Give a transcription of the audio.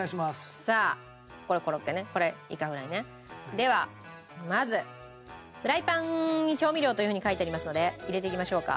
ではまずフライパンに調味料というふうに書いてありますので入れていきましょうか。